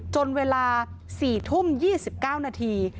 จนเวลา๔ทุ่ม๒๙นาที